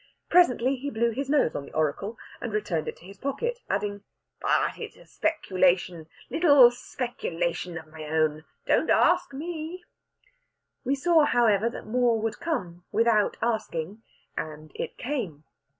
Presently he blew his nose on the oracle, and returned it to his pocket, adding: "But it's a speculation little speculation of my own. Don't ask me!" We saw, however, that more would come, without asking. And it came.